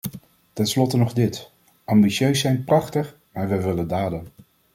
Tenslotte nog dit: ambities zijn prachtig, maar wij willen daden.